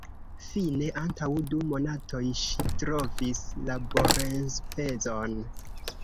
Fine antaŭ du monatoj ŝi trovis laborenspezon.